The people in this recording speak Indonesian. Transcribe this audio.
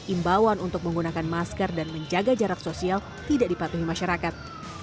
imbauan untuk menggunakan masker dan menjaga jarak sosial tidak dipatuhi masyarakat